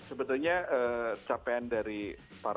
sebetulnya capaian dari para